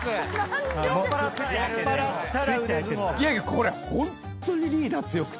これホントにリーダー強くて。